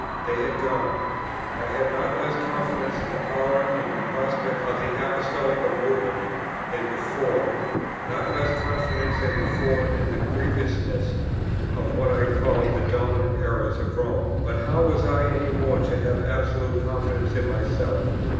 They had gone: I had not less confidence in the power and the prospects of the Apostolical movement than before; not less confidence than before in the grievousness of what I called the "dominant errors" of Rome: but how was I any more to have absolute confidence in myself?